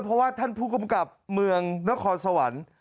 เพราะว่าท่านผู้กำกับเมืองนครสวรรค์